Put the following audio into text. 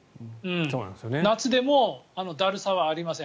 夏でもだるさはありません。